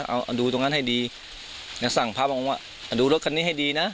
เอาดูตรงนั้นให้ดีอย่าสั่งพระบอกว่าดูรถคันนี้ให้ดีนะ